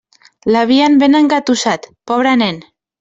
L'havien ben engatussat, pobre nen.